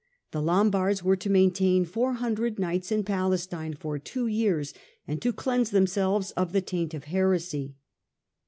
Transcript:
The Lombards were to maintain four hundred knights in Palestine for two years, and to cleanse themselves of the taint of heresy.